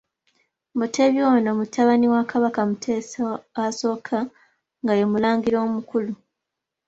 Mutebi ono, mutabani wa Kabaka Mutesa I, nga ye mulangira omukulu.